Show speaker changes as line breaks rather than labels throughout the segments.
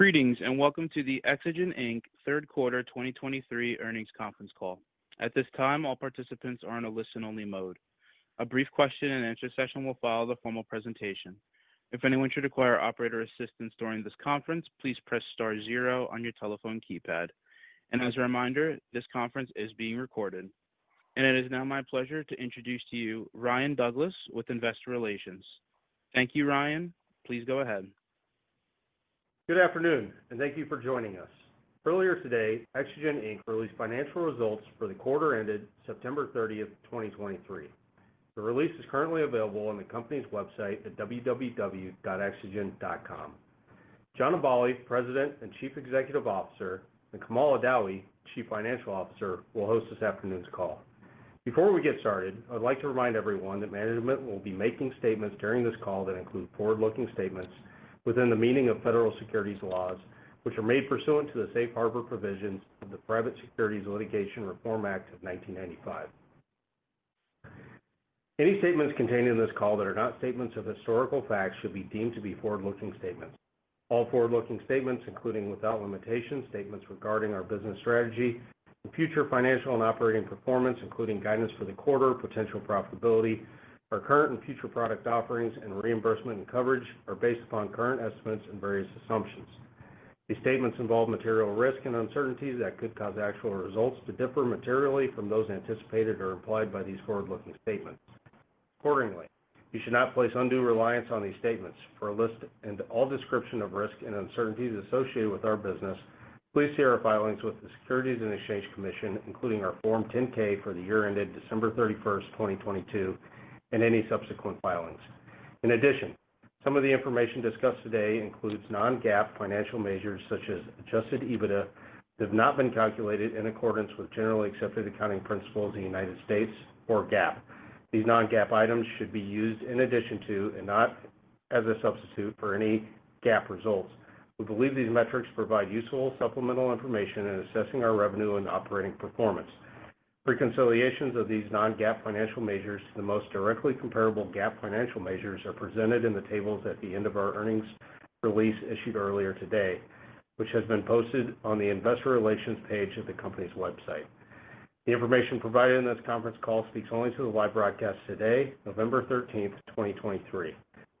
Greetings, and welcome to the Exagen Inc Third Quarter 2023 Earnings Conference Call. At this time, all participants are in a listen-only mode. A brief question-and-answer session will follow the formal presentation. If anyone should require operator assistance during this conference, please press star zero on your telephone keypad. As a reminder, this conference is being recorded. It is now my pleasure to introduce to you Ryan Douglas with Investor Relations. Thank you, Ryan. Please go ahead.
Good afternoon, and thank you for joining us. Earlier today, Exagen Inc released financial results for the quarter ended September 30, 2023. The release is currently available on the company's website at www.exagen.com. John Aballi, President and Chief Executive Officer, and Kamal Adawi, Chief Financial Officer, will host this afternoon's call. Before we get started, I'd like to remind everyone that management will be making statements during this call that include forward-looking statements within the meaning of federal securities laws, which are made pursuant to the Safe Harbor provisions of the Private Securities Litigation Reform Act of 1995. Any statements contained in this call that are not statements of historical fact should be deemed to be forward-looking statements. All forward-looking statements, including without limitation, statements regarding our business strategy and future financial and operating performance, including guidance for the quarter, potential profitability, our current and future product offerings, and reimbursement and coverage, are based upon current estimates and various assumptions. These statements involve material risk and uncertainty that could cause actual results to differ materially from those anticipated or implied by these forward-looking statements. Accordingly, you should not place undue reliance on these statements. For a list and full description of risks and uncertainties associated with our business, please see our filings with the Securities and Exchange Commission, including our Form 10-K for the year ended December 31, 2022, and any subsequent filings. In addition, some of the information discussed today includes non-GAAP financial measures, such as Adjusted EBITDA, that have not been calculated in accordance with generally accepted accounting principles in the United States or GAAP. These non-GAAP items should be used in addition to and not as a substitute for any GAAP results. We believe these metrics provide useful supplemental information in assessing our revenue and operating performance. Reconciliations of these non-GAAP financial measures to the most directly comparable GAAP financial measures are presented in the tables at the end of our earnings release issued earlier today, which has been posted on the Investor Relations page of the company's website. The information provided in this conference call speaks only to the live broadcast today, November 13, 2023.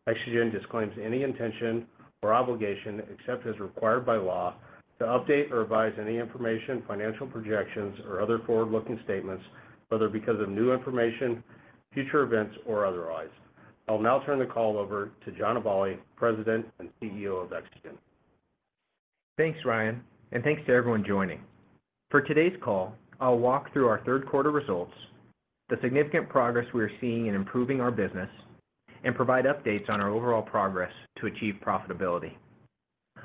Exagen disclaims any intention or obligation, except as required by law, to update or revise any information, financial projections, or other forward-looking statements, whether because of new information, future events, or otherwise. I'll now turn the call over to John Aballi, President and CEO of Exagen.
Thanks, Ryan, and thanks to everyone joining. For today's call, I'll walk through our third quarter results, the significant progress we are seeing in improving our business, and provide updates on our overall progress to achieve profitability.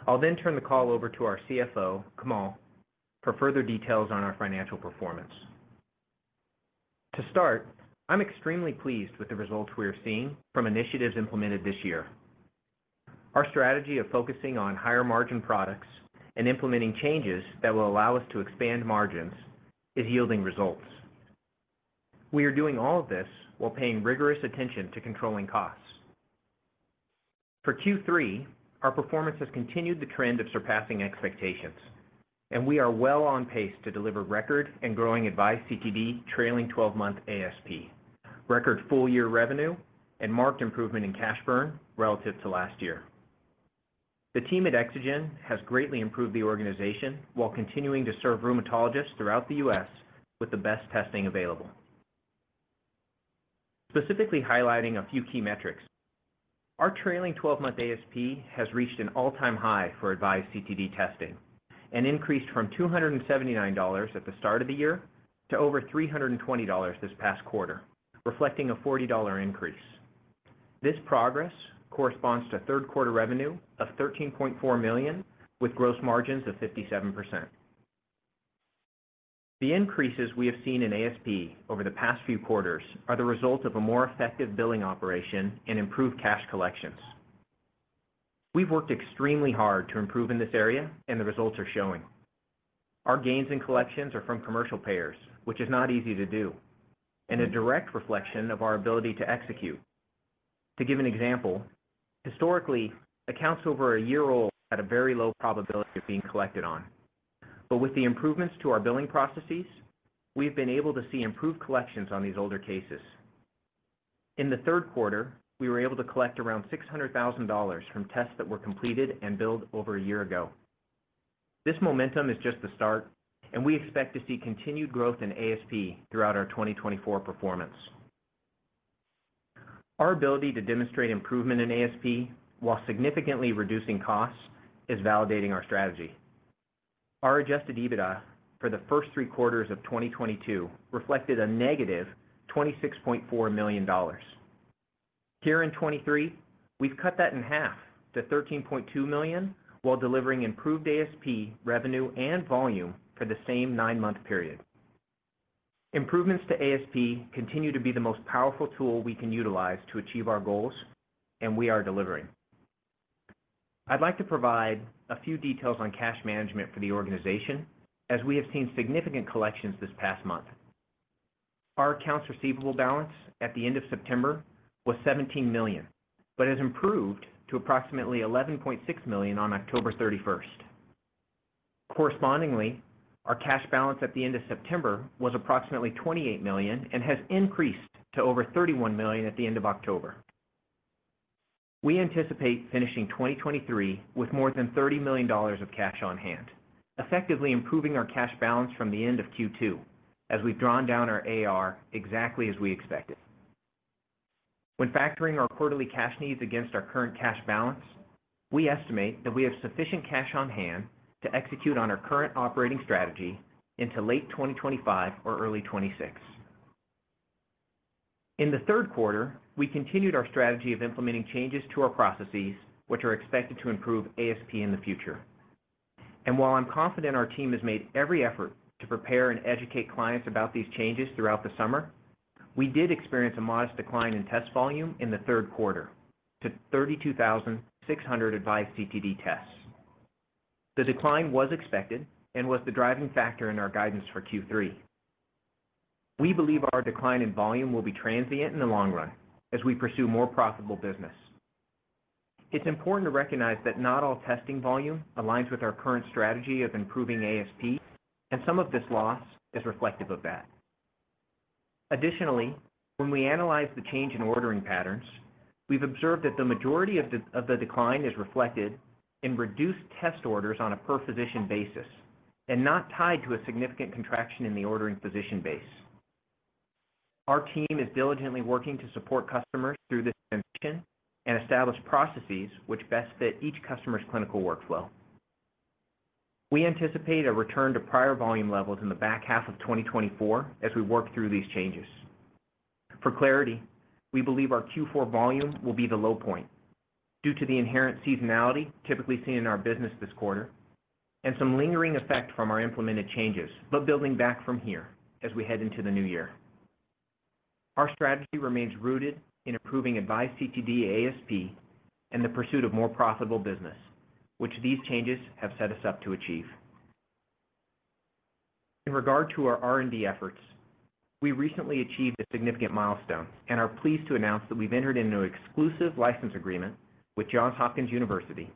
I'll then turn the call over to our CFO, Kamal, for further details on our financial performance. To start, I'm extremely pleased with the results we are seeing from initiatives implemented this year. Our strategy of focusing on higher-margin products and implementing changes that will allow us to expand margins is yielding results. We are doing all of this while paying rigorous attention to controlling costs. For Q3, our performance has continued the trend of surpassing expectations, and we are well on pace to deliver record and growing AVISE CTD trailing 12 month ASP, record full-year revenue, and marked improvement in cash burn relative to last year. The team at Exagen has greatly improved the organization while continuing to serve rheumatologists throughout the U.S. with the best testing available. Specifically highlighting a few key metrics, our trailing twelve-month ASP has reached an all-time high for AVISE CTD testing and increased from $279 at the start of the year to over $320 this past quarter, reflecting a $40 increase. This progress corresponds to third quarter revenue of $13.4 million, with gross margins of 57%. The increases we have seen in ASP over the past few quarters are the result of a more effective billing operation and improved cash collections. We've worked extremely hard to improve in this area, and the results are showing. Our gains in collections are from commercial payers, which is not easy to do and a direct reflection of our ability to execute. To give an example, historically, accounts over a year old had a very low probability of being collected on, but with the improvements to our billing processes, we've been able to see improved collections on these older cases. In the third quarter, we were able to collect around $600,000 from tests that were completed and billed over a year ago. This momentum is just the start, and we expect to see continued growth in ASP throughout our 2024 performance. Our ability to demonstrate improvement in ASP while significantly reducing costs is validating our strategy. Our Adjusted EBITDA for the first three quarters of 2022 reflected a negative $26.4 million. Here in 2023, we've cut that in half to $13.2 million, while delivering improved ASP revenue and volume for the same nine-month period. Improvements to ASP continue to be the most powerful tool we can utilize to achieve our goals, and we are delivering. I'd like to provide a few details on cash management for the organization, as we have seen significant collections this past month. Our accounts receivable balance at the end of September was $17 million, but has improved to approximately $11.6 million on October 31. Correspondingly, our cash balance at the end of September was approximately $28 million, and has increased to over $31 million at the end of October. We anticipate finishing 2023 with more than $30 million of cash on hand, effectively improving our cash balance from the end of Q2, as we've drawn down our AR exactly as we expected. When factoring our quarterly cash needs against our current cash balance, we estimate that we have sufficient cash on hand to execute on our current operating strategy into late 2025 or early 2026. In the third quarter, we continued our strategy of implementing changes to our processes, which are expected to improve ASP in the future. And while I'm confident our team has made every effort to prepare and educate clients about these changes throughout the summer, we did experience a modest decline in test volume in the third quarter to 32,600 AVISE CTD tests. The decline was expected and was the driving factor in our guidance for Q3. We believe our decline in volume will be transient in the long run as we pursue more profitable business. It's important to recognize that not all testing volume aligns with our current strategy of improving ASP, and some of this loss is reflective of that. Additionally, when we analyze the change in ordering patterns, we've observed that the majority of the decline is reflected in reduced test orders on a per physician basis, and not tied to a significant contraction in the ordering physician base. Our team is diligently working to support customers through this transition and establish processes which best fit each customer's clinical workflow. We anticipate a return to prior volume levels in the back half of 2024 as we work through these changes. For clarity, we believe our Q4 volume will be the low point due to the inherent seasonality typically seen in our business this quarter, and some lingering effect from our implemented changes, but building back from here as we head into the new year. Our strategy remains rooted in improving AVISE CTD ASP and the pursuit of more profitable business, which these changes have set us up to achieve. In regard to our R&D efforts, we recently achieved a significant milestone and are pleased to announce that we've entered into an exclusive license agreement with Johns Hopkins University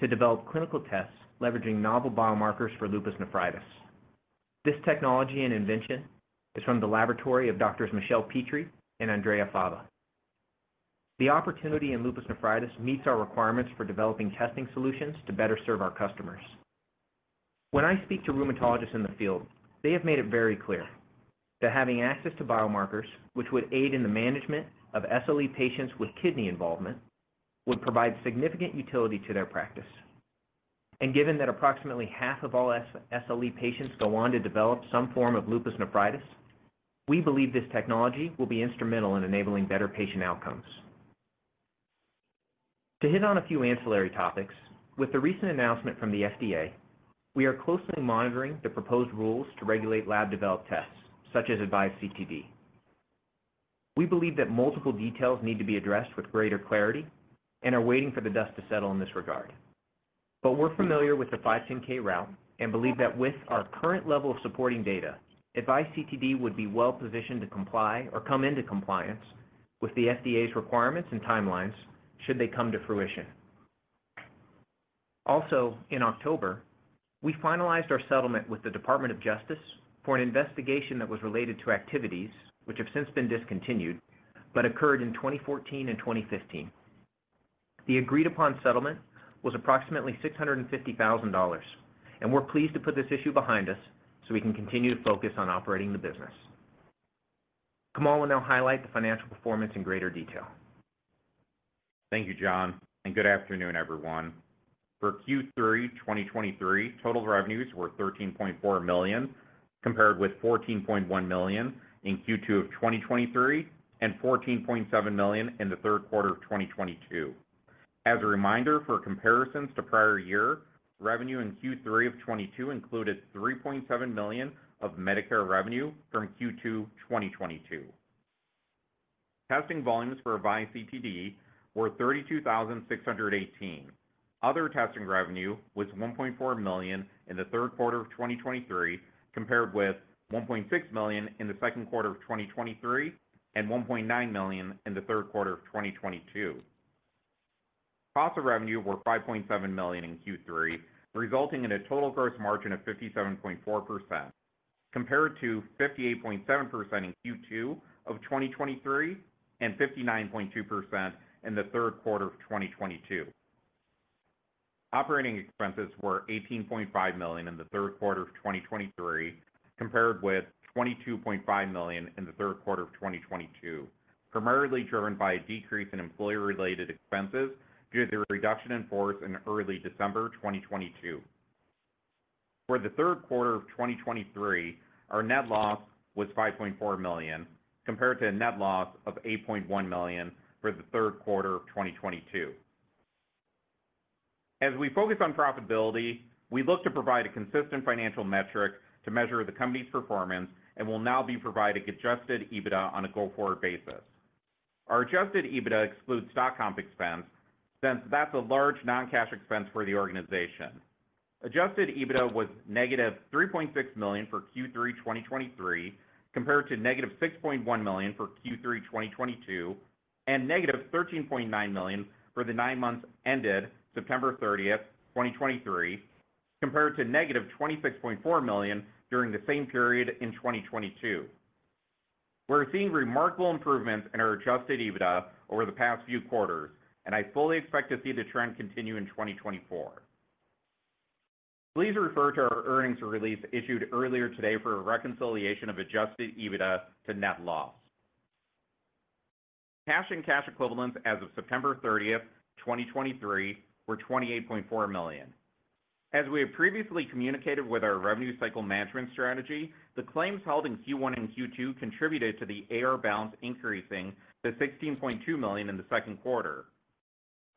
to develop clinical tests leveraging novel biomarkers for lupus nephritis. This technology and invention is from the laboratory of Doctors Michelle Petri and Andrea Fava. The opportunity in lupus nephritis meets our requirements for developing testing solutions to better serve our customers. When I speak to rheumatologists in the field, they have made it very clear that having access to biomarkers, which would aid in the management of SLE patients with kidney involvement, would provide significant utility to their practice. And given that approximately half of all SLE patients go on to develop some form of lupus nephritis, we believe this technology will be instrumental in enabling better patient outcomes. To hit on a few ancillary topics, with the recent announcement from the FDA, we are closely monitoring the proposed rules to regulate lab-developed tests, such as AVISE CTD. We believe that multiple details need to be addressed with greater clarity and are waiting for the dust to settle in this regard. But we're familiar with the 510(k) route and believe that with our current level of supporting data, AVISE CTD would be well positioned to comply or come into compliance with the FDA's requirements and timelines, should they come to fruition. Also, in October, we finalized our settlement with the Department of Justice for an investigation that was related to activities which have since been discontinued but occurred in 2014 and 2015. The agreed-upon settlement was approximately $650,000, and we're pleased to put this issue behind us so we can continue to focus on operating the business. Kamal will now highlight the financial performance in greater detail.
Thank you, John, and good afternoon, everyone. For Q3 2023, total revenues were $13.4 million, compared with $14.1 million in Q2 of 2023, and $14.7 million in the third quarter of 2022. As a reminder, for comparisons to prior year, revenue in Q3 of 2022 included $3.7 million of Medicare revenue from Q2 2022. Testing volumes for AVISE CTD were 32,618. Other testing revenue was $1.4 million in the third quarter of 2023, compared with $1.6 million in the second quarter of 2023, and $1.9 million in the third quarter of 2022. Costs of revenue were $5.7 million in Q3, resulting in a total gross margin of 57.4%, compared to 58.7% in Q2 of 2023, and 59.2% in the third quarter of 2022. Operating expenses were $18.5 million in the third quarter of 2023, compared with $22.5 million in the third quarter of 2022, primarily driven by a decrease in employee-related expenses due to the reduction in force in early December 2022. For the third quarter of 2023, our net loss was $5.4 million, compared to a net loss of $8.1 million for the third quarter of 2022. As we focus on profitability, we look to provide a consistent financial metric to measure the company's performance and will now be providing Adjusted EBITDA on a go-forward basis. Our adjusted EBITDA excludes stock comp expense, since that's a large non-cash expense for the organization. Adjusted EBITDA was negative $3.6 million for Q3 2023, compared to negative $6.1 million for Q3 2022, and negative $13.9 million for the nine months ended September 30, 2023, compared to negative $26.4 million during the same period in 2022. We're seeing remarkable improvements in our adjusted EBITDA over the past few quarters, and I fully expect to see the trend continue in 2024. Please refer to our earnings release issued earlier today for a reconciliation of adjusted EBITDA to net loss. Cash and cash equivalents as of September 30, 2023, were $28.4 million. As we have previously communicated with our revenue cycle management strategy, the claims held in Q1 and Q2 contributed to the AR balance, increasing to $16.2 million in the second quarter.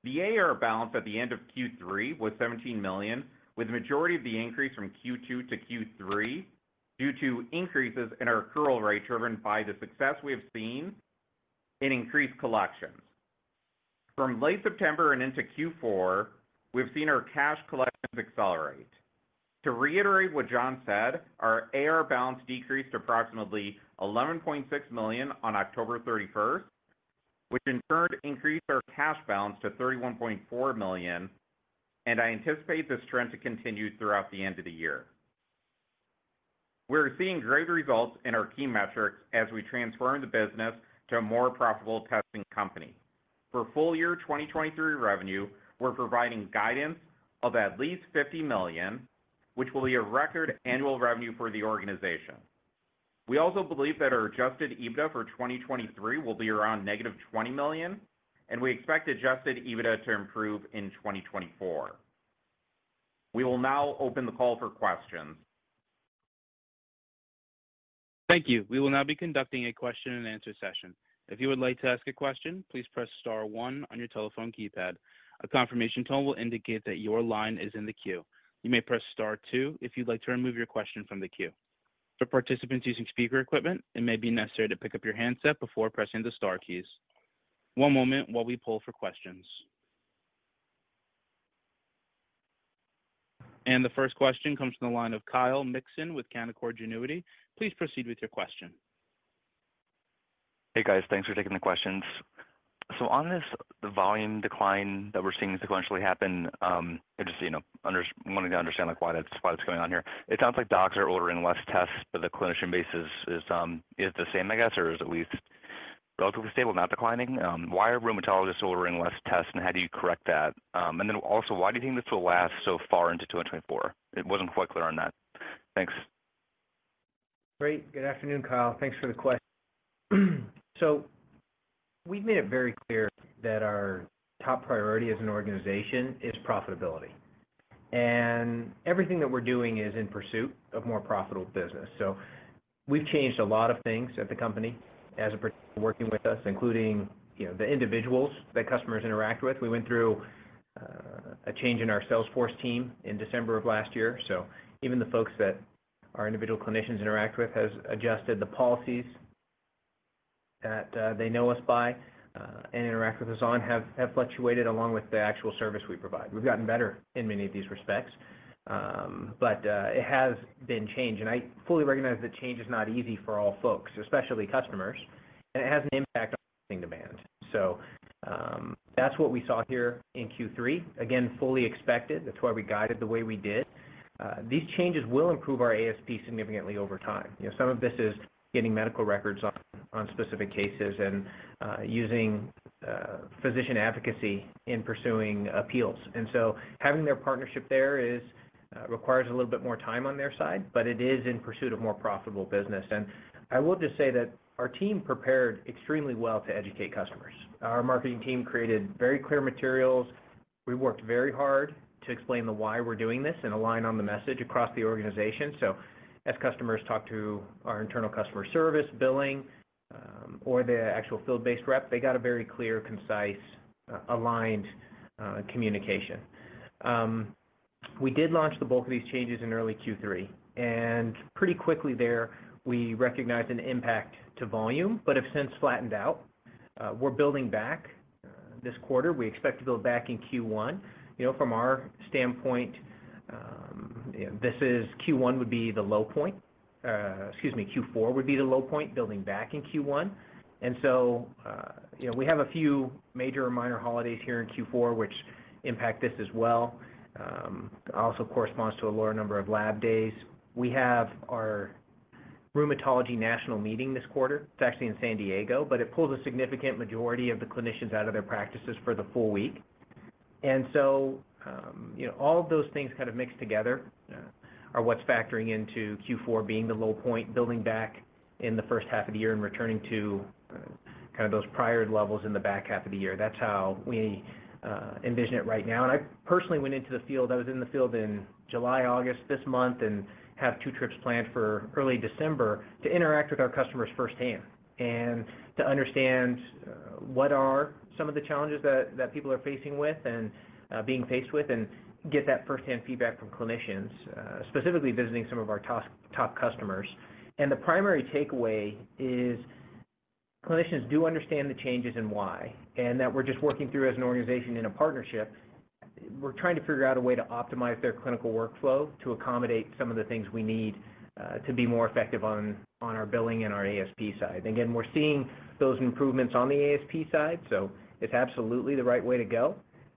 The AR balance at the end of Q3 was $17 million, with the majority of the increase from Q2 to Q3 due to increases in our accrual rate, driven by the success we have seen in increased collections. From late September and into Q4, we've seen our cash collections accelerate. To reiterate what John said, our AR balance decreased approximately $11.6 million on October 31st, which in turn increased our cash balance to $31.4 million, and I anticipate this trend to continue throughout the end of the year. We're seeing great results in our key metrics as we transform the business to a more profitable testing company. For full year 2023 revenue, we're providing guidance of at least $50 million, which will be a record annual revenue for the organization. We also believe that our adjusted EBITDA for 2023 will be around -$20 million, and we expect adjusted EBITDA to improve in 2024. We will now open the call for questions.
Thank you. We will now be conducting a question and answer session. If you would like to ask a question, please press star one on your telephone keypad. A confirmation tone will indicate that your line is in the queue. You may press star two if you'd like to remove your question from the queue. For participants using speaker equipment, it may be necessary to pick up your handset before pressing the star keys. One moment while we pull for questions. The first question comes from the line of Kyle Mikson with Canaccord Genuity. Please proceed with your question.
Hey, guys. Thanks for taking the questions. So on this volume decline that we're seeing sequentially happen, I just, you know, wanting to understand, like, why that's going on here. It sounds like docs are ordering less tests, but the clinician base is the same, I guess, or is at least relatively stable, not declining. Why are rheumatologists ordering less tests, and how do you correct that? And then also, why do you think this will last so far into 2024? It wasn't quite clear on that. Thanks.
Great. Good afternoon, Kyle. Thanks for the question. So we've made it very clear that our top priority as an organization is profitability, and everything that we're doing is in pursuit of more profitable business. So we've changed a lot of things at the company as are working with us, including, you know, the individuals that customers interact with. We went through a change in our salesforce team in December of last year. So even the folks that our individual clinicians interact with has adjusted the policies that they know us by and interact with us on have fluctuated along with the actual service we provide. We've gotten better in many of these respects, but it has been changed. And I fully recognize that change is not easy for all folks, especially customers, and it has an impact on demand. So, that's what we saw here in Q3. Again, fully expected. That's why we guided the way we did. These changes will improve our ASP significantly over time. You know, some of this is getting medical records on specific cases and using physician advocacy in pursuing appeals. And so having their partnership there is requires a little bit more time on their side, but it is in pursuit of more profitable business. And I will just say that our team prepared extremely well to educate customers. Our marketing team created very clear materials. We worked very hard to explain the why we're doing this and align on the message across the organization. So as customers talk to our internal customer service, billing, or the actual field-based rep, they got a very clear, concise, aligned communication. We did launch the bulk of these changes in early Q3, and pretty quickly there, we recognized an impact to volume, but have since flattened out. We're building back this quarter. We expect to build back in Q1. You know, from our standpoint, this is Q1 would be the low point. Excuse me, Q4 would be the low point, building back in Q1. And so, you know, we have a few major or minor holidays here in Q4, which impact this as well. Also corresponds to a lower number of lab days. We have our rheumatology national meeting this quarter. It's actually in San Diego, but it pulls a significant majority of the clinicians out of their practices for the full week. And so, you know, all of those things kind of mixed together, are what's factoring into Q4 being the low point, building back in the first half of the year and returning to, kind of those prior levels in the back half of the year. That's how we, envision it right now. And I personally went into the field. I was in the field in July, August, this month, and have two trips planned for early December to interact with our customers firsthand. And to understand, what are some of the challenges that people are facing with and, being faced with, and get that firsthand feedback from clinicians, specifically visiting some of our top, top customers. And the primary takeaway is, clinicians do understand the changes and why, and that we're just working through as an organization in a partnership. We're trying to figure out a way to optimize their clinical workflow to accommodate some of the things we need to be more effective on our billing and our ASP side. Again, we're seeing those improvements on the ASP side, so it's absolutely the right way to go.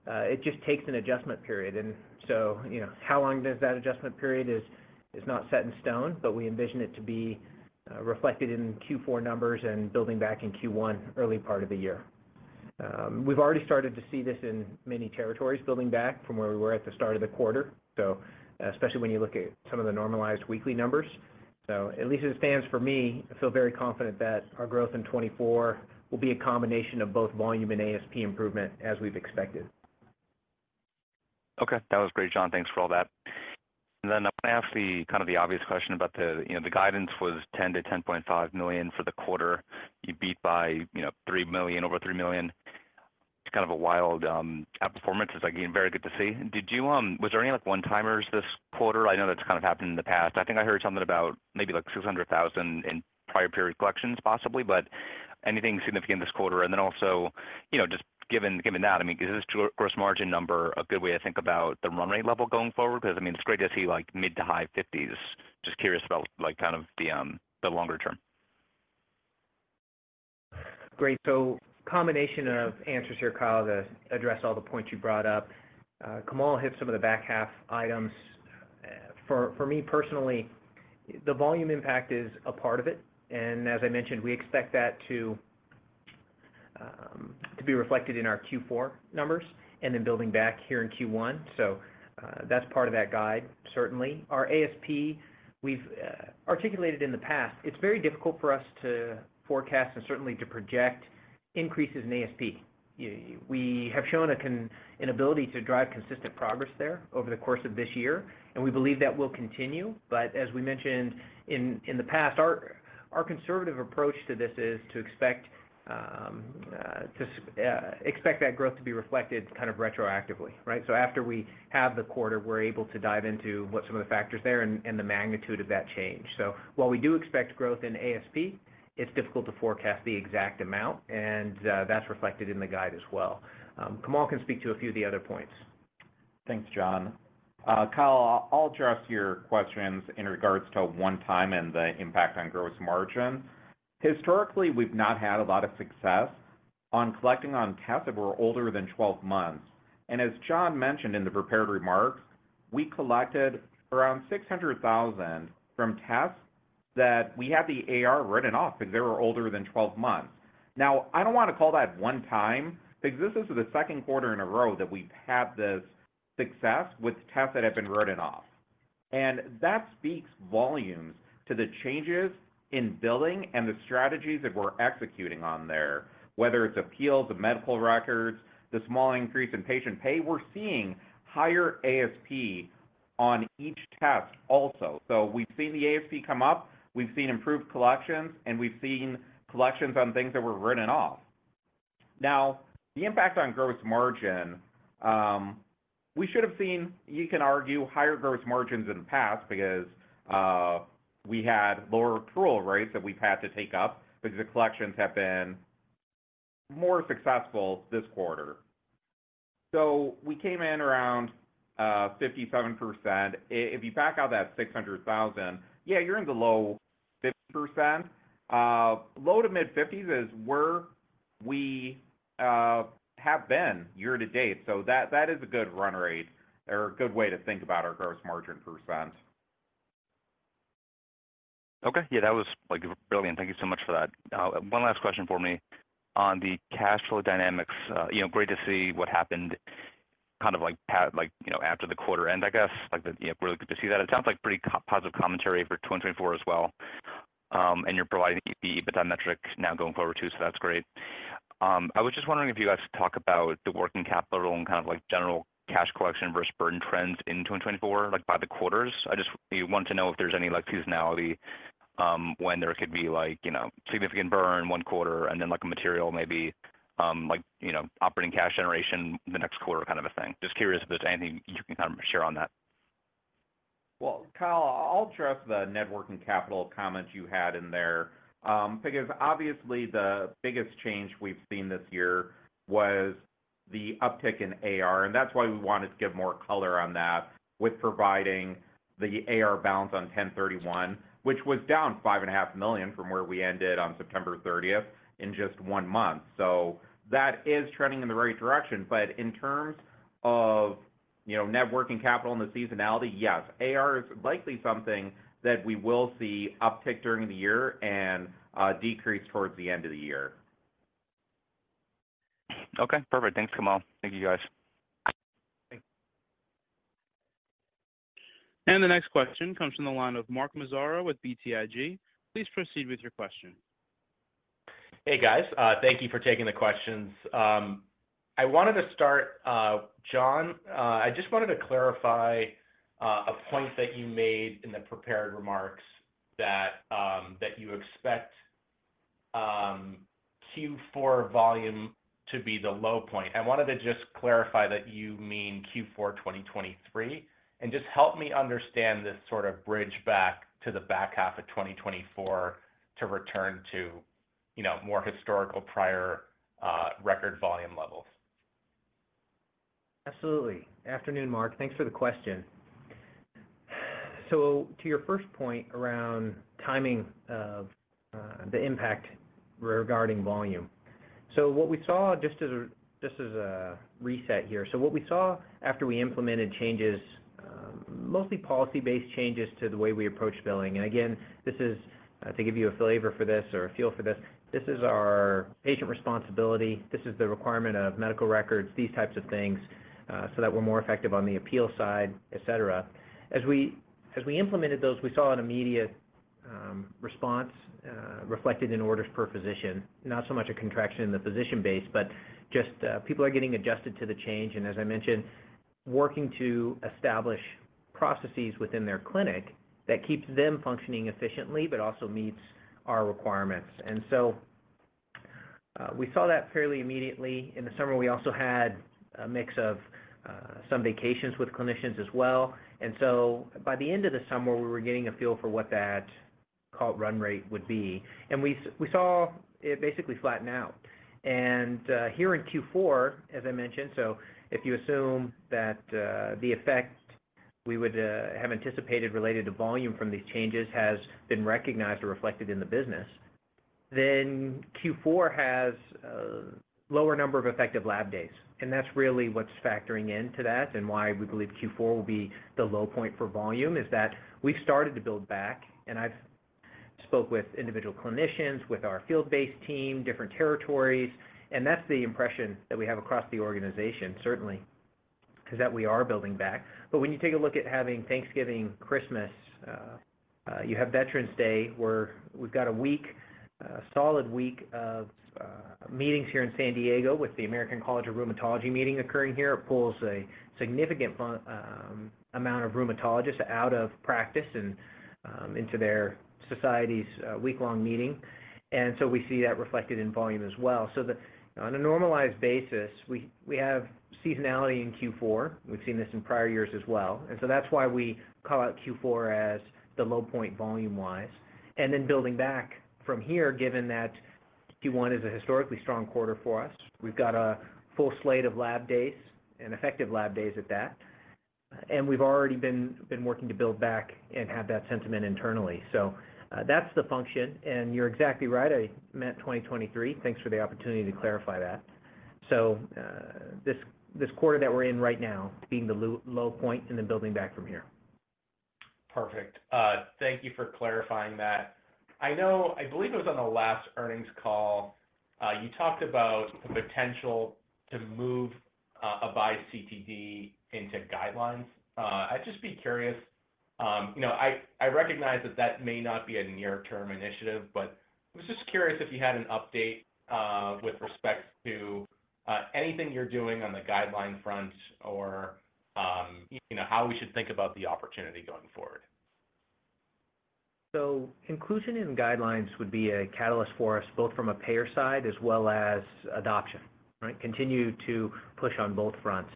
It just takes an adjustment period. And so, you know, how long does that adjustment period is not set in stone, but we envision it to be reflected in Q4 numbers and building back in Q1, early part of the year. We've already started to see this in many territories, building back from where we were at the start of the quarter, so especially when you look at some of the normalized weekly numbers. At least as it stands for me, I feel very confident that our growth in 2024 will be a combination of both volume and ASP improvement, as we've expected.
Okay, that was great, John. Thanks for all that. And then I'm gonna ask the kind of obvious question about the you know, the guidance was $10-$10.5 million for the quarter. You beat by, you know, $3 million, over $3 million. It's kind of a wild outperformance. It's, again, very good to see. Was there any, like, one-timers this quarter? I know that's kind of happened in the past. I think I heard something about maybe, like, $600,000 in prior period collections, possibly, but anything significant this quarter? And then also, you know, just given that, I mean, is this gross margin number a good way to think about the run rate level going forward? Because, I mean, it's great to see, like, mid-to-high 50s%. Just curious about, like, kind of the longer term.
Great. So combination of answers here, Kyle, to address all the points you brought up. Kamal hit some of the back half items. For me, personally, the volume impact is a part of it, and as I mentioned, we expect that to be reflected in our Q4 numbers, and then building back here in Q1. So, that's part of that guide, certainly. Our ASP, we've articulated in the past, it's very difficult for us to forecast and certainly to project increases in ASP. We have shown an ability to drive consistent progress there over the course of this year, and we believe that will continue. But as we mentioned in the past, our conservative approach to this is to expect that growth to be reflected kind of retroactively, right? So after we have the quarter, we're able to dive into what some of the factors there and the magnitude of that change. So while we do expect growth in ASP, it's difficult to forecast the exact amount, and that's reflected in the guide as well. Kamal can speak to a few of the other points.
Thanks, John. Kyle, I'll address your questions in regards to one time and the impact on gross margin. Historically, we've not had a lot of success on collecting on tests that were older than 12 months, and as John mentioned in the prepared remarks, we collected around $600,000 from tests that we had the AR written off because they were older than 12 months. Now, I don't want to call that one time, because this is the second quarter in a row that we've had this success with tests that have been written off. That speaks volumes to the changes in billing and the strategies that we're executing on there, whether it's appeals, the medical records, the small increase in patient pay. We're seeing higher ASP on each test also. So we've seen the ASP come up, we've seen improved collections, and we've seen collections on things that were written off. Now, the impact on gross margin, we should have seen, you can argue, higher gross margins in the past because we had lower accrual rates that we've had to take up because the collections have been more successful this quarter. So we came in around 57%. If you back out that $600,000, yeah, you're in the low 50%. Low-to-mid 50s% is where we have been year to date, so that is a good run rate or a good way to think about our gross margin percent.
Okay. Yeah, that was, like, brilliant. Thank you so much for that. One last question for me. On the cash flow dynamics, you know, great to see what happened, kind of like, like, you know, after the quarter end, I guess. Like, the, you know, really good to see that. It sounds like pretty positive commentary for 2024 as well. And you're providing the EBITDA metric now going forward, too, so that's great. I was just wondering if you guys could talk about the working capital and kind of, like, general cash collection versus burden trends in 2024, like, by the quarters. I just want to know if there's any, like, seasonality, when there could be like, you know, significant burn one quarter and then, like, a material maybe, like, you know, operating cash generation the next quarter, kind of a thing. Just curious if there's anything you can kind of share on that.
Well, Kyle, I'll address the net working capital comments you had in there. Because obviously, the biggest change we've seen this year was the uptick in AR, and that's why we wanted to give more color on that with providing the AR balance on 10/31, which was down $5.5 million from where we ended on September 30 in just one month. So that is trending in the right direction. But in terms of, you know, net working capital and the seasonality, yes, AR is likely something that we will see uptick during the year and, decrease towards the end of the year.
Okay, perfect. Thanks, Kamal. Thank you, guys.
The next question comes from the line of Mark Massaro with BTIG. Please proceed with your question.
Hey, guys. Thank you for taking the questions. I wanted to start, John, I just wanted to clarify a point that you made in the prepared remarks that that you expect Q4 volume to be the low point. I wanted to just clarify that you mean Q4 2023, and just help me understand this sort of bridge back to the back half of 2024 to return to, you know, more historical prior record volume levels.
Absolutely. Afternoon, Mark. Thanks for the question. So to your first point around timing of the impact regarding volume. So what we saw, just as a reset here, so what we saw after we implemented changes, mostly policy-based changes to the way we approach billing, and again, this is to give you a flavor for this or a feel for this, this is our patient responsibility, this is the requirement of medical records, these types of things, so that we're more effective on the appeal side, et cetera. As we implemented those, we saw an immediate response reflected in orders per physician, not so much a contraction in the physician base, but just people are getting adjusted to the change, and as I mentioned, working to establish processes within their clinic that keeps them functioning efficiently, but also meets our requirements. And so we saw that fairly immediately. In the summer, we also had a mix of some vacations with clinicians as well. And so by the end of the summer, we were getting a feel for what that call run rate would be, and we saw it basically flatten out. And here in Q4, as I mentioned, so if you assume that the effect we would have anticipated related to volume from these changes has been recognized or reflected in the business, then Q4 has lower number of effective lab days. And that's really what's factoring into that and why we believe Q4 will be the low point for volume, is that we've started to build back, and I've spoke with individual clinicians, with our field-based team, different territories, and that's the impression that we have across the organization, certainly, is that we are building back. But when you take a look at having Thanksgiving, Christmas, you have Veterans Day, where we've got a week, a solid week of meetings here in San Diego with the American College of Rheumatology meeting occurring here, it pulls a significant amount of rheumatologists out of practice and into their society's week-long meeting. And so we see that reflected in volume as well. So on a normalized basis, we have seasonality in Q4. We've seen this in prior years as well. And so that's why we call out Q4 as the low point volume-wise. And then building back from here, given that Q1 is a historically strong quarter for us, we've got a full slate of lab days, and effective lab days at that, and we've already been working to build back and have that sentiment internally. So, that's the function, and you're exactly right, I meant 2023. Thanks for the opportunity to clarify that. So, this quarter that we're in right now, being the low point and then building back from here.
Perfect. Thank you for clarifying that. I know—I believe it was on the last earnings call, you talked about the potential to move AVISE CTD into guidelines. I'd just be curious, you know, I recognize that that may not be a near-term initiative, but I was just curious if you had an update with respect to anything you're doing on the guideline front or, you know, how we should think about the opportunity going forward?
So inclusion in guidelines would be a catalyst for us, both from a payer side as well as adoption, right? Continue to push on both fronts.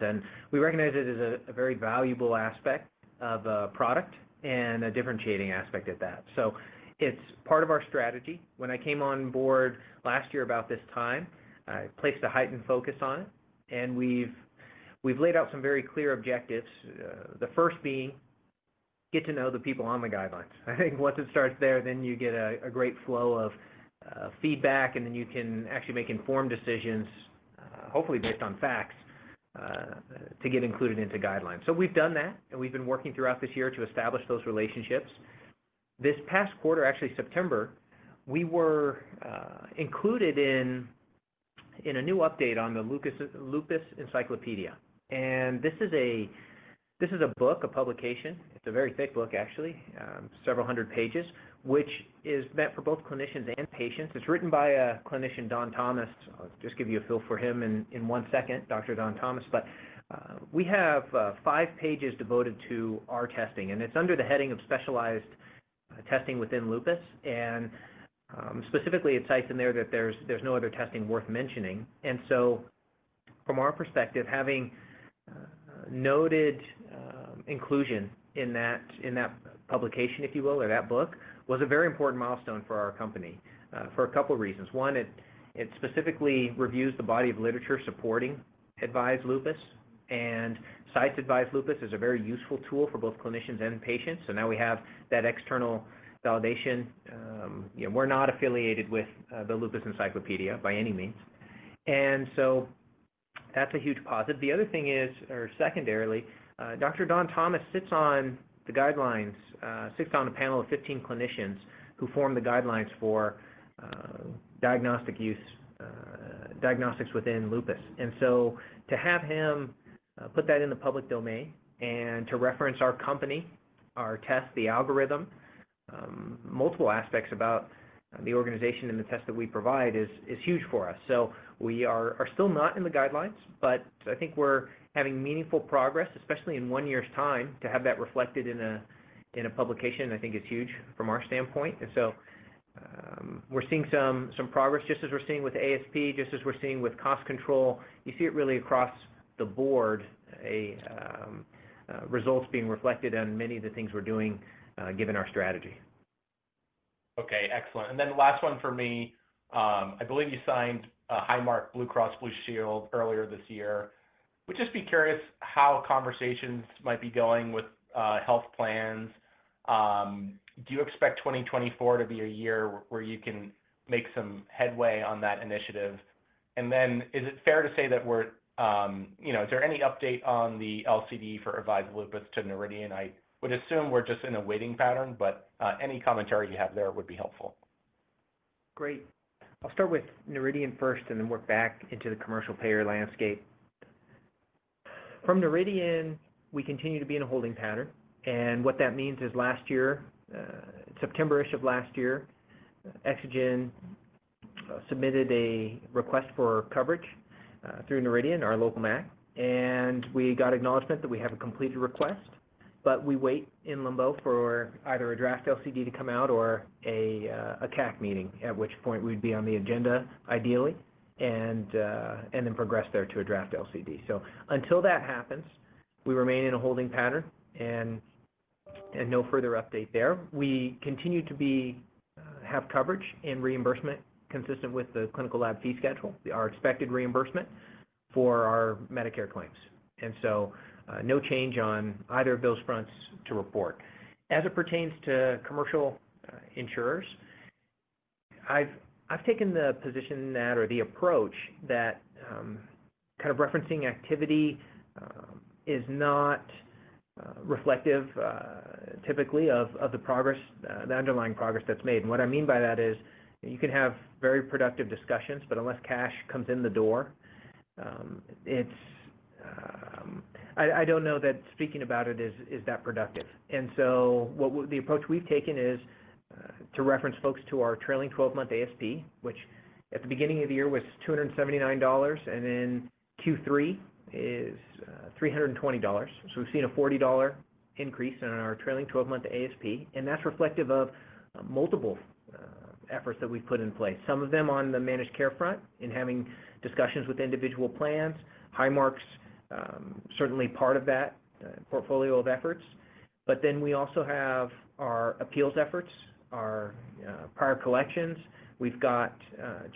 We recognize it as a very valuable aspect of a product and a differentiating aspect at that. It's part of our strategy. When I came on board last year about this time, I placed a heightened focus on it, and we've laid out some very clear objectives. The first being, get to know the people on the guidelines. I think once it starts there, then you get a great flow of feedback, and then you can actually make informed decisions, hopefully based on facts, to get included into guidelines. We've done that, and we've been working throughout this year to establish those relationships. This past quarter, actually September, we were included in a new update on the Lupus Encyclopedia. And this is a book, a publication. It's a very thick book, actually, several hundred pages, which is meant for both clinicians and patients. It's written by a clinician, Don Thomas. I'll just give you a feel for him in one second, Dr. Don Thomas. But we have five pages devoted to our testing, and it's under the heading of specialized testing within lupus. And specifically, it cites in there that there's no other testing worth mentioning. And so, from our perspective, having noted inclusion in that publication, if you will, or that book, was a very important milestone for our company for a couple reasons. It specifically reviews the body of literature supporting AVISE Lupus, and cites AVISE Lupus as a very useful tool for both clinicians and patients. So now we have that external validation. You know, we're not affiliated with the Lupus Encyclopedia by any means, and so that's a huge positive. The other thing is, or secondarily, Dr. Don Thomas sits on the guidelines, sits on a panel of 15 clinicians who form the guidelines for diagnostic use, diagnostics within lupus. And so to have him put that in the public domain and to reference our company, our test, the algorithm, multiple aspects about the organization and the test that we provide is huge for us. So we are still not in the guidelines, but I think we're having meaningful progress, especially in one year's time, to have that reflected in a publication, I think is huge from our standpoint. And so, we're seeing some progress, just as we're seeing with ASP, just as we're seeing with cost control. You see it really across the board, results being reflected on many of the things we're doing, given our strategy.
Okay, excellent. And then last one for me, I believe you signed Highmark Blue Cross Blue Shield earlier this year. Would just be curious how conversations might be going with health plans? Do you expect 2024 to be a year where you can make some headway on that initiative? And then is it fair to say that we're, you know, is there any update on the LCD for AVISE Lupus with Noridian? I would assume we're just in a waiting pattern, but any commentary you have there would be helpful.
Great. I'll start with Noridian first, and then work back into the commercial payer landscape. From Noridian, we continue to be in a holding pattern, and what that means is last year, September-ish of last year, Exagen submitted a request for coverage, through Noridian, our local MAC, and we got acknowledgment that we have a completed request. But we wait in limbo for either a draft LCD to come out or a CAC meeting, at which point we'd be on the agenda, ideally, and then progress there to a draft LCD. So until that happens, we remain in a holding pattern, and no further update there. We continue to be, have coverage and reimbursement consistent with the clinical lab fee schedule, our expected reimbursement for our Medicare claims, and so, no change on either of those fronts to report. As it pertains to commercial insurers, I've taken the position that, or the approach that, kind of referencing activity is not reflective typically of the progress, the underlying progress that's made. And what I mean by that is, you can have very productive discussions, but unless cash comes in the door, it's... I don't know that speaking about it is that productive. And so the approach we've taken is to reference folks to our trailing twelve-month ASP, which at the beginning of the year was $279, and then Q3 is $320. So we've seen a $40 increase in our trailing twelve-month ASP, and that's reflective of multiple efforts that we've put in place. Some of them on the managed care front, in having discussions with individual plans. Highmark's certainly part of that portfolio of efforts. But then we also have our appeals efforts, our prior collections. We've got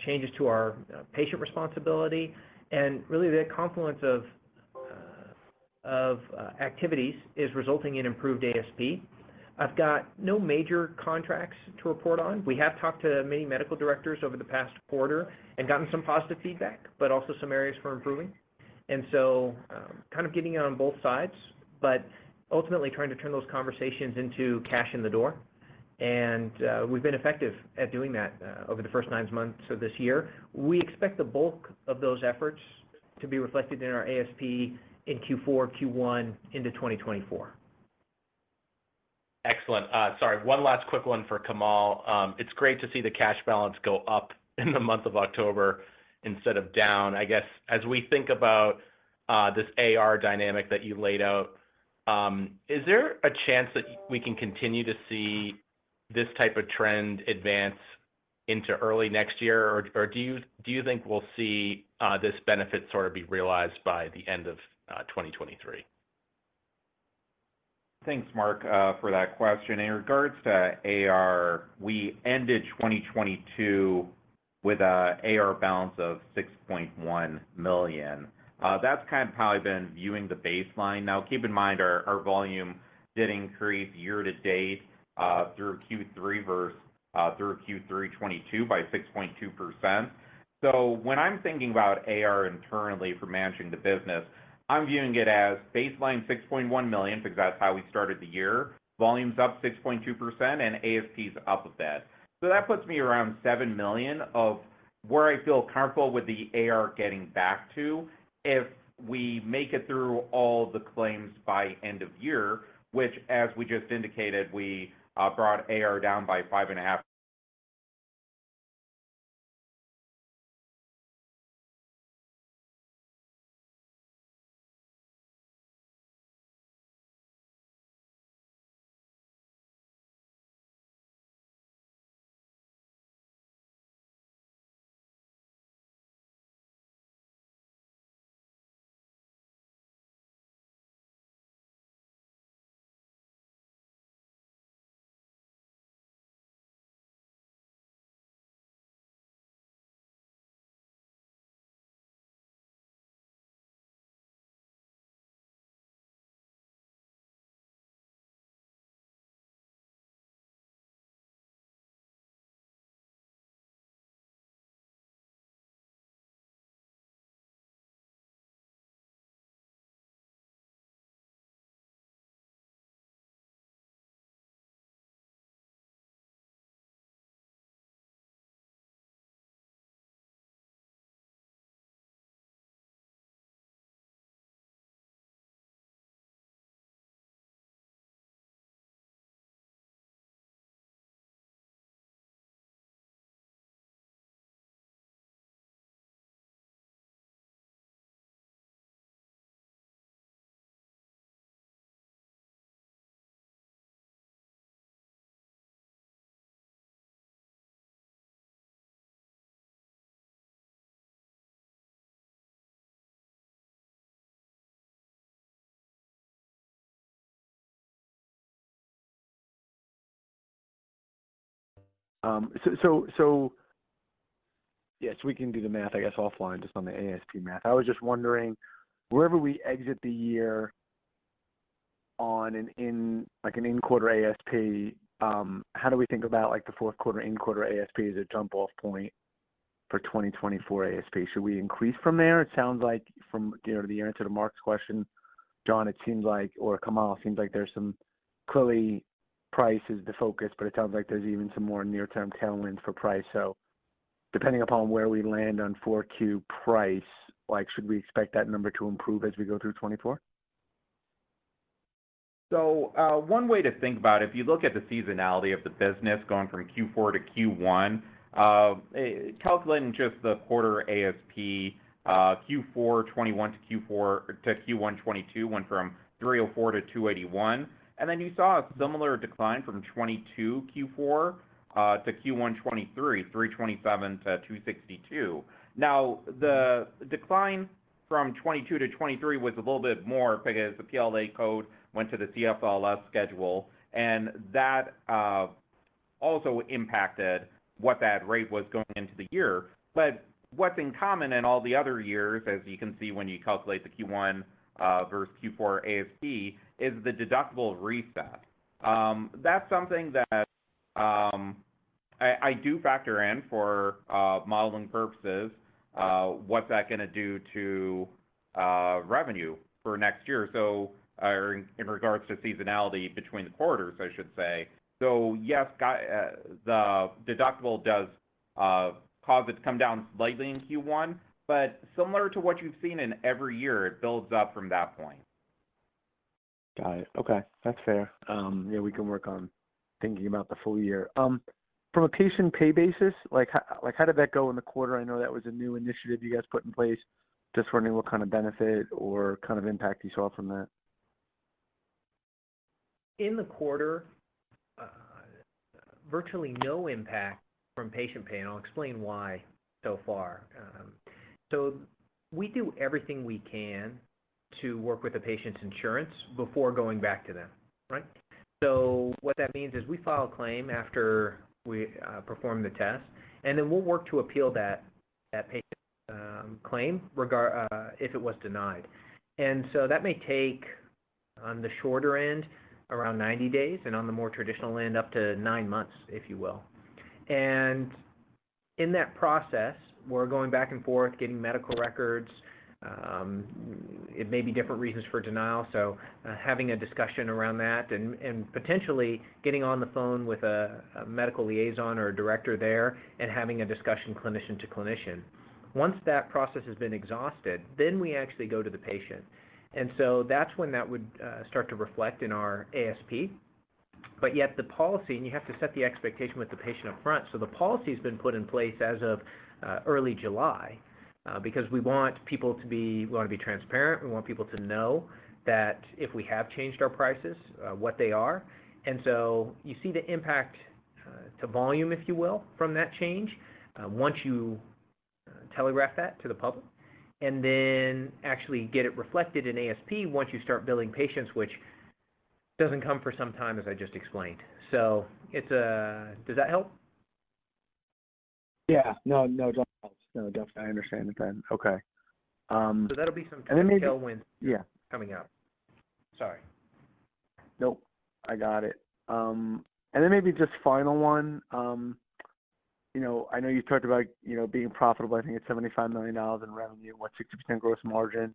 changes to our patient responsibility, and really, the confluence of activities is resulting in improved ASP. I've got no major contracts to report on. We have talked to many medical directors over the past quarter and gotten some positive feedback, but also some areas for improving. And so, kind of getting it on both sides, but ultimately trying to turn those conversations into cash in the door. And we've been effective at doing that over the first nine months of this year. We expect the bulk of those efforts to be reflected in our ASP in Q4, Q1 into 2024.
Excellent. Sorry, one last quick one for Kamal. It's great to see the cash balance go up in the month of October instead of down. I guess, as we think about this AR dynamic that you laid out, is there a chance that we can continue to see this type of trend advance into early next year? Or do you think we'll see this benefit sort of be realized by the end of 2023?
Thanks, Mark, for that question. In regards to AR, we ended 2022 with a AR balance of $6.1 million. That's kind of how I've been viewing the baseline. Now, keep in mind, our volume did increase year to date through Q3 versus through Q3 2022 by 6.2%. So when I'm thinking about AR internally for managing the business, I'm viewing it as baseline $6.1 million, because that's how we started the year. Volume's up 6.2%, and ASP's up a bit. So that puts me around $7 million of where I feel comfortable with the AR getting back to, if we make it through all the claims by end of year, which, as we just indicated, we brought AR down by 5.5.
Yes, we can do the math, I guess, offline, just on the ASP math. I was just wondering, wherever we exit the year on an in, like, an in-quarter ASP, how do we think about, like, the fourth quarter in-quarter ASP as a jump-off point for 2024 ASP? Should we increase from there? It sounds like from, you know, the answer to Mark's question, John, it seems like, or Kamal, it seems like there's some, clearly, price is the focus, but it sounds like there's even some more near-term tailwinds for price. So depending upon where we land on 4Q price, like, should we expect that number to improve as we go through 2024?
One way to think about it, if you look at the seasonality of the business going from Q4 to Q1, calculating just the quarter ASP, Q4 2021 to Q1 2022 went from $304 to $281. And then you saw a similar decline from 2022 Q4 to Q1 2023, $327 to $262. Now, the decline from 2022 to 2023 was a little bit more because the PLA code went to the CLFS schedule, and that also impacted what that rate was going into the year. But what's in common in all the other years, as you can see when you calculate the Q1 versus Q4 ASP, is the deductible reset. That's something that I do factor in for modeling purposes. What's that going to do to revenue for next year? So, in regards to seasonality between the quarters, I should say. So yes, the deductible does cause it to come down slightly in Q1, but similar to what you've seen in every year, it builds up from that point.
Got it. Okay, that's fair. Yeah, we can work on thinking about the full year. From a patient pay basis, like, how, like, how did that go in the quarter? I know that was a new initiative you guys put in place. Just wondering what kind of benefit or kind of impact you saw from that.
In the quarter, virtually no impact from patient pay, and I'll explain why so far. So we do everything we can to work with the patient's insurance before going back to them, right? So what that means is we file a claim after we perform the test, and then we'll work to appeal that patient claim regard if it was denied. And so that may take, on the shorter end, around 90 days, and on the more traditional end, up to nine months, if you will. And in that process, we're going back and forth, getting medical records, it may be different reasons for denial, so having a discussion around that and potentially getting on the phone with a medical liaison or a director there and having a discussion clinician to clinician. Once that process has been exhausted, then we actually go to the patient. And so that's when that would start to reflect in our ASP. But yet the policy, and you have to set the expectation with the patient up front. So the policy has been put in place as of early July, because we want people to be we want to be transparent. We want people to know that if we have changed our prices, what they are. And so you see the impact to volume, if you will, from that change, once you telegraph that to the public, and then actually get it reflected in ASP once you start billing patients, which doesn't come for some time, as I just explained. Does that help?
Yeah. No, definitely helps. No, definitely. I understand it then. Okay.
So that'll be some-
And then maybe...
-tailwind.
Yeah.
Coming out. Sorry.
Nope, I got it. And then maybe just final one, you know, I know you talked about, you know, being profitable, I think, at $75 million in revenue, what, 60% gross margin.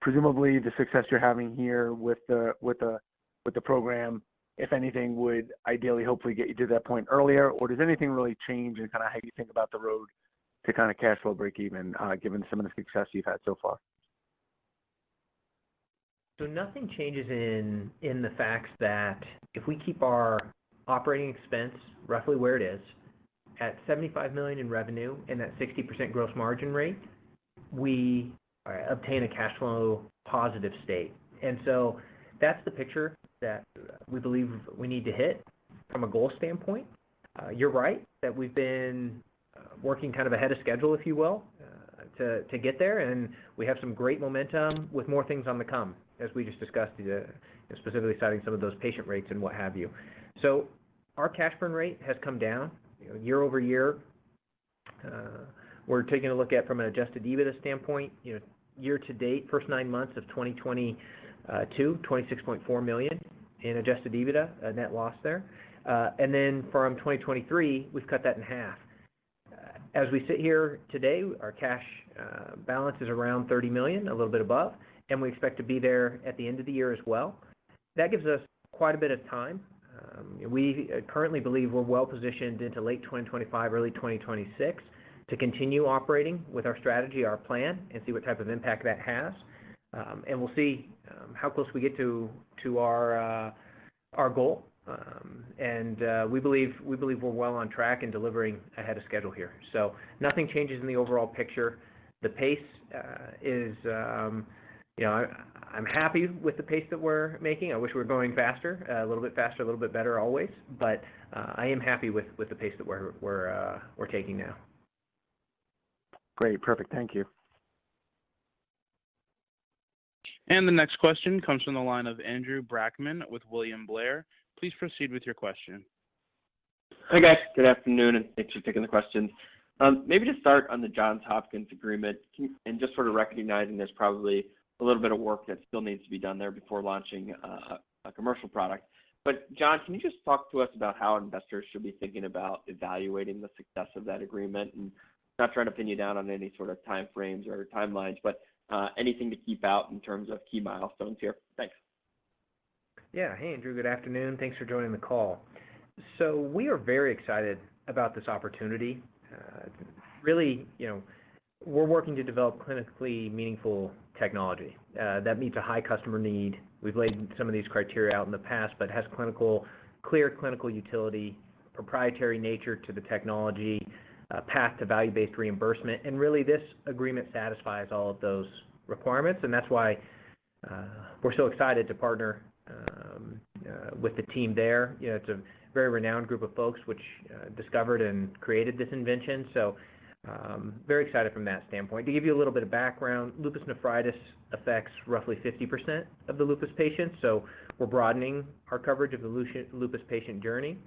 Presumably, the success you're having here with the program, if anything, would ideally, hopefully, get you to that point earlier, or does anything really change in kind of how you think about the road to kind of cash flow breakeven, given some of the success you've had so far?
So nothing changes in the facts that if we keep our operating expense roughly where it is, at $75 million in revenue and that 60% gross margin rate, we obtain a cash flow positive state. And so that's the picture that we believe we need to hit from a goal standpoint. You're right, that we've been working kind of ahead of schedule, if you will, to get there, and we have some great momentum with more things on the come, as we just discussed, specifically citing some of those patient rates and what have you. So our cash burn rate has come down year-over-year. We're taking a look at, from an adjusted EBITDA standpoint, you know, year to date, first nine months of 2022, $26.4 million in adjusted EBITDA, a net loss there. And then from 2023, we've cut that in half. As we sit here today, our cash balance is around $30 million, a little bit above, and we expect to be there at the end of the year as well. That gives us quite a bit of time. We currently believe we're well positioned into late 2025, early 2026, to continue operating with our strategy, our plan, and see what type of impact that has. And we'll see how close we get to our goal, and we believe, we believe we're well on track in delivering ahead of schedule here. So nothing changes in the overall picture. The pace is, you know, I, I'm happy with the pace that we're making. I wish we were going faster, a little bit faster, a little bit better always, but I am happy with the pace that we're taking now.
Great. Perfect. Thank you.
The next question comes from the line of Andrew Brackmann with William Blair. Please proceed with your question.
Hi, guys. Good afternoon, and thanks for taking the questions. Maybe just start on the Johns Hopkins agreement. Can you—and just sort of recognizing there's probably a little bit of work that still needs to be done there before launching a commercial product. But John, can you just talk to us about how investors should be thinking about evaluating the success of that agreement? And not trying to pin you down on any sort of time frames or timelines, but anything to keep out in terms of key milestones here? Thanks.
Yeah. Hey, Andrew. Good afternoon. Thanks for joining the call. So we are very excited about this opportunity. Really, you know, we're working to develop clinically meaningful technology that meets a high customer need. We've laid some of these criteria out in the past, but has clinical, clear clinical utility, proprietary nature to the technology, path to value-based reimbursement, and really, this agreement satisfies all of those requirements, and that's why we're so excited to partner with the team there. You know, it's a very renowned group of folks which discovered and created this invention, so very excited from that standpoint. To give you a little bit of background, Lupus Nephritis affects roughly 50% of the lupus patients, so we're broadening our coverage of the lupus patient journey.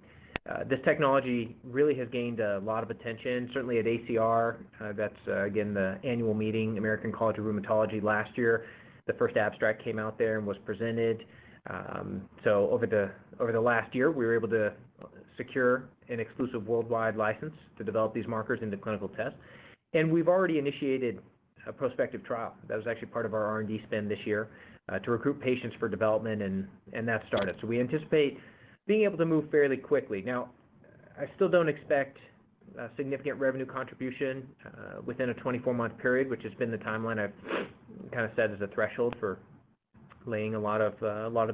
This technology really has gained a lot of attention, certainly at ACR. That's again the annual meeting, American College of Rheumatology last year. The first abstract came out there and was presented. So over the last year, we were able to secure an exclusive worldwide license to develop these markers into clinical tests. And we've already initiated a prospective trial, that was actually part of our R&D spend this year, to recruit patients for development and that started. So we anticipate being able to move fairly quickly. Now, I still don't expect a significant revenue contribution within a 24-month period, which has been the timeline I've kind of set as a threshold for laying a lot of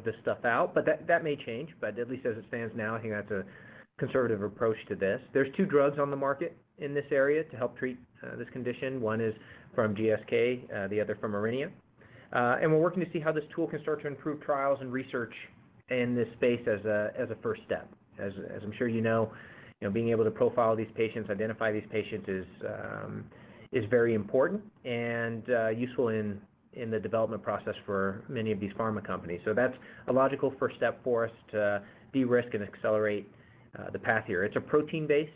this stuff out, but that may change. But at least as it stands now, I think that's a conservative approach to this. There's two drugs on the market in this area to help treat, this condition. One is from GSK, the other from Aurinia. And we're working to see how this tool can start to improve trials and research in this space as a, as a first step. As, as I'm sure you know, you know, being able to profile these patients, identify these patients is, is very important and, useful in, in the development process for many of these pharma companies. So that's a logical first step for us to de-risk and accelerate, the path here. It's a protein-based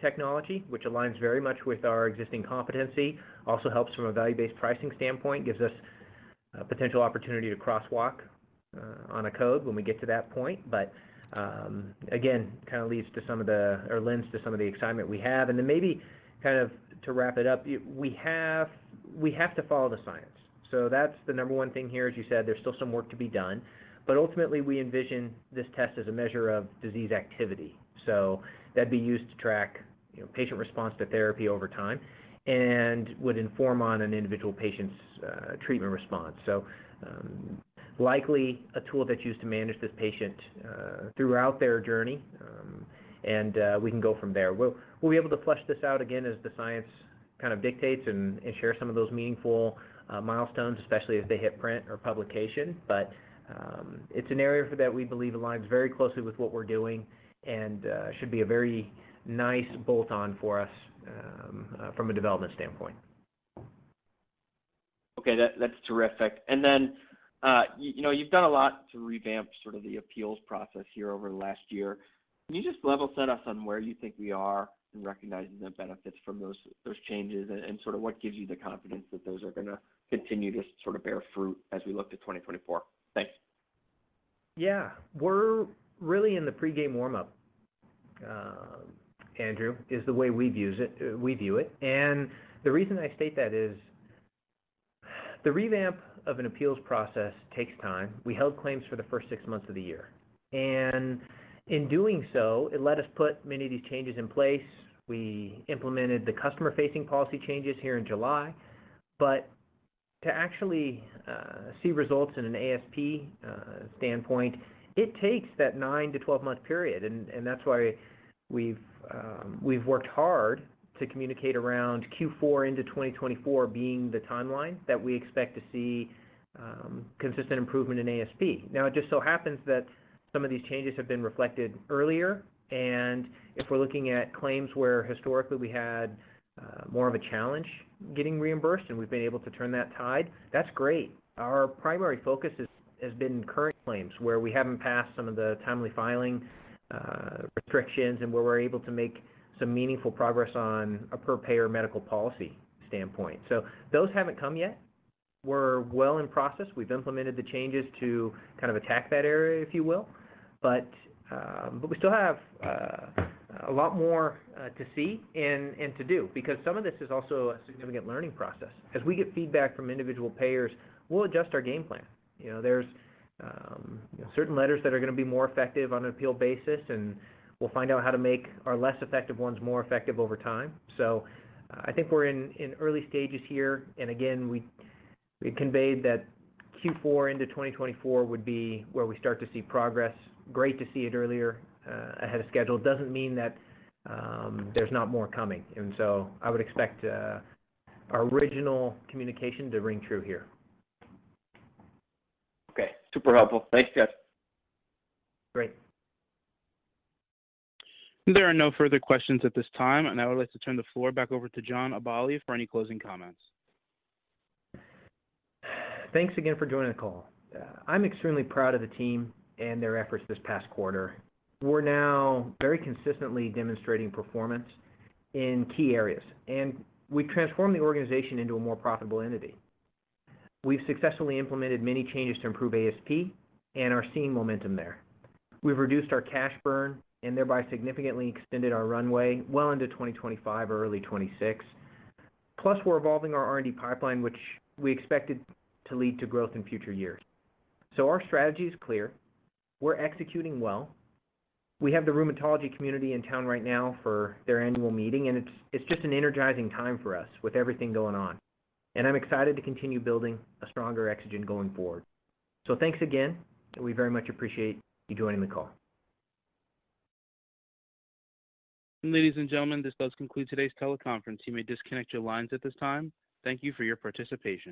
technology, which aligns very much with our existing competency, also helps from a value-based pricing standpoint, gives us a potential opportunity to crosswalk, on a code when we get to that point. But, again, kind of leads to some of the or lends to some of the excitement we have. And then maybe, kind of to wrap it up, we have, we have to follow the science. So that's the number one thing here. As you said, there's still some work to be done, but ultimately, we envision this test as a measure of disease activity. So that'd be used to track, you know, patient response to therapy over time and would inform on an individual patient's treatment response. So, likely a tool that's used to manage this patient throughout their journey, and we can go from there. We'll be able to flesh this out again as the science kind of dictates and share some of those meaningful milestones, especially as they hit print or publication. But, it's an area for that we believe aligns very closely with what we're doing and should be a very nice bolt-on for us, from a development standpoint.
Okay, that, that's terrific. And then, you know, you've done a lot to revamp sort of the appeals process here over the last year. Can you just level set us on where you think we are in recognizing the benefits from those, those changes and, and sort of what gives you the confidence that those are gonna continue to sort of bear fruit as we look to 2024? Thanks.
Yeah. We're really in the pregame warm-up, Andrew, is the way we view it. And the reason I state that is, the revamp of an appeals process takes time. We held claims for the first six months of the year, and in doing so, it let us put many of these changes in place. We implemented the customer-facing policy changes here in July, but to actually see results in an ASP standpoint, it takes that 9 to 12 month period. And that's why we've worked hard to communicate around Q4 into 2024 being the timeline that we expect to see consistent improvement in ASP. Now, it just so happens that some of these changes have been reflected earlier, and if we're looking at claims where historically we had more of a challenge getting reimbursed and we've been able to turn that tide, that's great. Our primary focus has been in current claims, where we haven't passed some of the timely filing restrictions, and where we're able to make some meaningful progress on a per-payer medical policy standpoint. So those haven't come yet. We're well in process. We've implemented the changes to kind of attack that area, if you will. But we still have a lot more to see and to do, because some of this is also a significant learning process. As we get feedback from individual payers, we'll adjust our game plan. You know, there's certain letters that are gonna be more effective on an appeal basis, and we'll find out how to make our less effective ones more effective over time. So I think we're in early stages here, and again, we conveyed that Q4 into 2024 would be where we start to see progress. Great to see it earlier, ahead of schedule. Doesn't mean that, there's not more coming, and so I would expect our original communication to ring true here.
Okay. Super helpful. Thanks, guys.
Great.
There are no further questions at this time, and I would like to turn the floor back over to John Aballi for any closing comments.
Thanks again for joining the call. I'm extremely proud of the team and their efforts this past quarter. We're now very consistently demonstrating performance in key areas, and we've transformed the organization into a more profitable entity. We've successfully implemented many changes to improve ASP and are seeing momentum there. We've reduced our cash burn and thereby significantly extended our runway well into 2025 or early 2026. Plus, we're evolving our R&D pipeline, which we expected to lead to growth in future years. Our strategy is clear. We're executing well. We have the rheumatology community in town right now for their annual meeting, and it's, it's just an energizing time for us with everything going on, and I'm excited to continue building a stronger Exagen going forward. Thanks again, and we very much appreciate you joining the call.
Ladies and gentlemen, this does conclude today's teleconference. You may disconnect your lines at this time. Thank you for your participation.